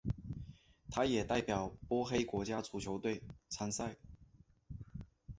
他也代表波黑国家足球队参赛。